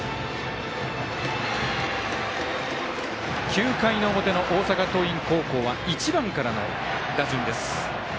９回の表の大阪桐蔭高校は１番からの打順です。